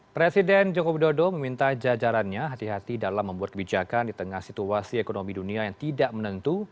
presiden joko widodo meminta jajarannya hati hati dalam membuat kebijakan di tengah situasi ekonomi dunia yang tidak menentu